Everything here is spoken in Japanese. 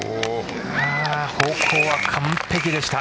方向は完璧でした。